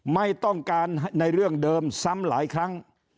ไม่ต้องการในเรื่องเดิมซ้ำหลายครั้ง